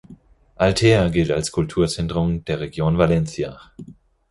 Altea gilt als Kulturzentrum der Region Valencia.